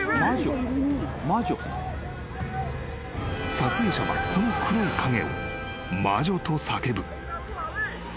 ［撮影者はこの黒い影を魔女と叫ぶ］